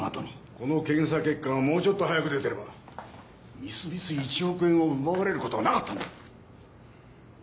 この検査結果がもうちょっと早く出てればみすみす１億円を奪われることはなかったんだ！